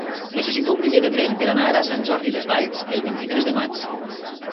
Necessito un bitllet de tren per anar a Sant Jordi Desvalls el vint-i-tres de maig.